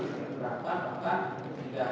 berapa bahkan ketiga